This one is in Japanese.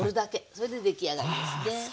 それで出来上がりですね。